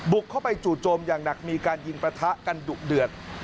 เข้าไปจู่โจมอย่างหนักมีการยิงประทะกันดุเดือด